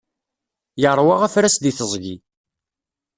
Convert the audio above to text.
Yeṛwa afras di teẓgi.